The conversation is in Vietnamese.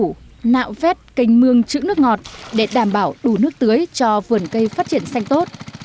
ông đã tạo vết cành mương chữ nước ngọt để đảm bảo đủ nước tưới cho vườn cây phát triển xanh tốt